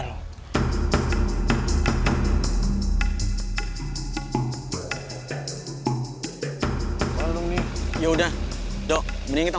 lo malah ngajakin ribut lo